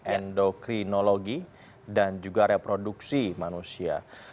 endokrinologi dan juga reproduksi manusia